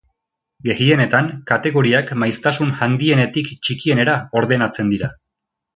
Gehienetan, kategoriak maiztasun handienetik txikienera ordenatzen dira.